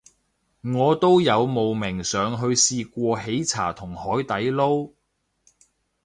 我都有慕名上去試過喜茶同海底撈